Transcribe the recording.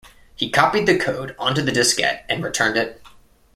He copied the code onto the diskette and returned it.